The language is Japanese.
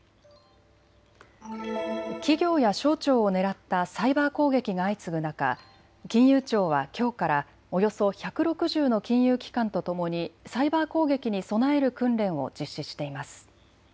企業や省庁を狙ったサイバー攻撃が相次ぐ中、金融庁はきょうからおよそ１６０の金融機関とともにサイバー攻撃に備える訓練を実施しています。